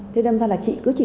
thế đâm ra là chị cứ chịu